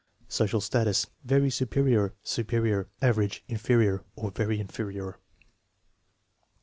Social status (very superior, superior, average, inferior, or very inferior).